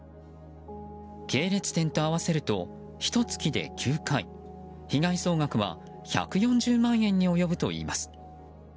系列店と合わせるとひと月で９回被害総額は１４０万円に及ぶといいます。